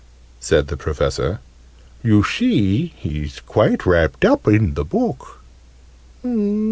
said the Professor. "You see he's quite wrapped up in the book!"